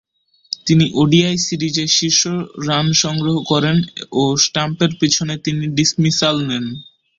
তিনি ওডিআই সিরিজে শীর্ষ রান সংগ্রহ করেন ও স্ট্যাম্পের পিছনে তিনি ডিসমিসাল নেন।